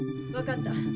わかった。